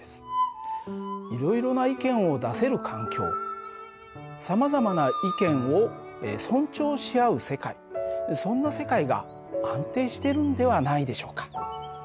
いろいろな意見を出せる環境さまざまな意見を尊重し合う世界そんな世界が安定しているんではないでしょうか。